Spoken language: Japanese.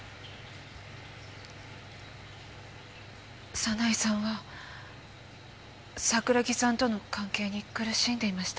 早苗さんは桜木さんとの関係に苦しんでいました。